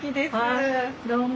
どうも。